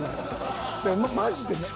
マジでね。